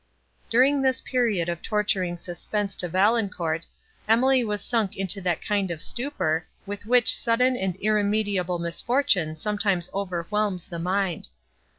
During this period of torturing suspense to Valancourt, Emily was sunk into that kind of stupor, with which sudden and irremediable misfortune sometimes overwhelms the mind.